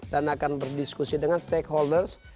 dan akan berdiskusi dengan stakeholders